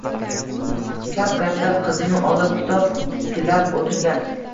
Kap-katta qizini olib, kitob titkilab oʻtirgan